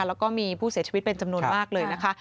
แล้วก็มีผู้เสียชีวิตเป็นจำนวนมากเลยนะคะ